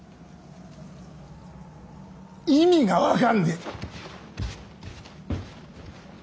意味が分かんねえ！